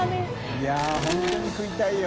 いや本当に食いたいよ。